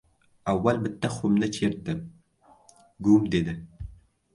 Avval bitta xumni chertdim. «Gum» dedi.